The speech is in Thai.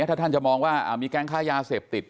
ถ้าท่านจะมองว่ามีแก๊งค้ายาเสพติด